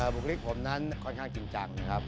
บุคลิกผมนั้นค่อนข้างจริงจังนะครับ